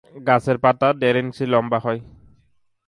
গাছের পাতা দেড় সেমি লম্বা।